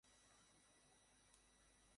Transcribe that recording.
তুমি বিস্ময়ে ভরপুর, তাইনা?